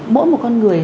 mỗi một con người